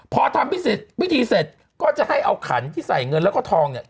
พอทำพิธีพิธีเสร็จก็จะให้เอาขันที่ใส่เงินแล้วก็ทองเนี่ย